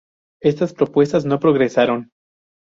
Estas propuestas no progresaron.